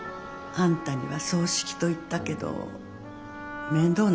あんたには葬式と言ったけど面倒なことはしなくていい。